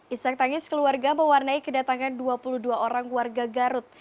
isak tangis keluarga mewarnai kedatangan dua puluh dua orang warga garut